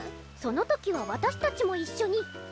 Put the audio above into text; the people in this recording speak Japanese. そのときは私たちも一緒に！